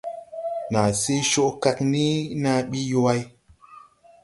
Naa se coʼ kag ni na bi yuway.